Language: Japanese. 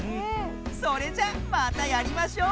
それじゃまたやりましょう！